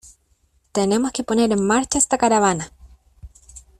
Tenemos que poner en marcha esta caravana.